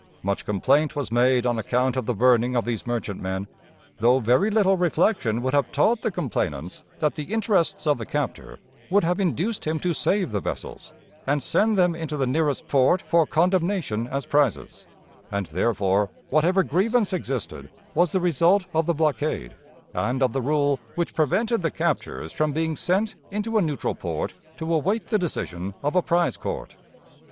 Much complaint was made on account of the burning of these merchantmen, though very little reflection would have taught the complainants that the interests of the captor would have induced him to save the vessels, and send them into the nearest port for condemnation as prizes; and, therefore, whatever grievance existed was the result of the blockade and of the rule which prevented the captures from being sent into a neutral port to await the decision of a prize court.